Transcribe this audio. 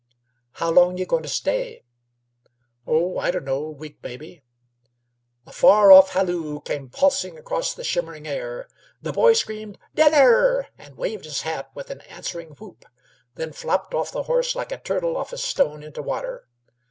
"How long y' goin' t' stay?" "Oh, I d' know. A week, mebbe." A far off halloo came pulsing across the shimmering air. The boy screamed "Dinner!" and waved his hat with an answering whoop, then flopped off the horse like a turtle off a stone into water.